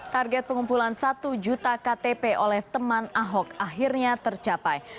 target pengumpulan satu juta ktp oleh teman ahok akhirnya tercapai